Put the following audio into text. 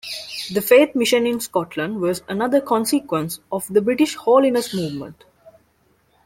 The Faith Mission in Scotland was another consequence of the British Holiness movement.